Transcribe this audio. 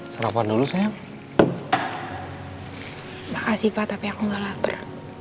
terima kasih pak tapi aku gak lapar